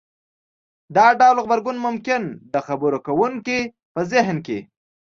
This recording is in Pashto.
دا ډول غبرګون ممکن د خبرې کوونکي په زهن کې